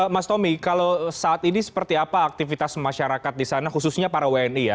mas tommy kalau saat ini seperti apa aktivitas masyarakat di sana khususnya para wni ya